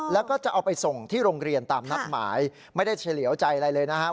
และเอาไปนำรองเรียนไม่ได้เขียวใจอะไรเลยครับ